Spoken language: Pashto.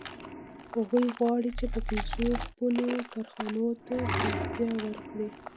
هغوی غواړي چې په پیسو خپلو کارخانو ته پراختیا ورکړي